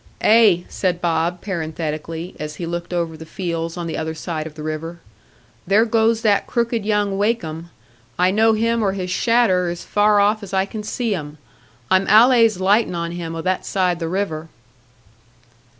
"Eh," said Bob, parenthetically, as he looked over the fields on the other side of the river, "there goes that crooked young Wakem. I know him or his shadder as far off as I can see 'em; I'm allays lighting on him o' that side the river."